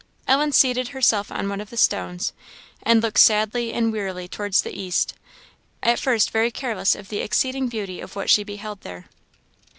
Ellen seated herself on one of the stones, and looked sadly and wearily towards the east, at first very careless of the exceeding beauty of what she beheld there.